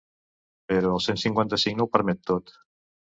Però el cent cinquanta-cinc no ho permet tot.